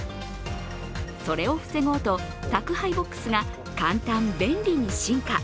それを防ごうと宅配ボックスが簡単便利に進化。